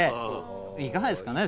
いかがですかね？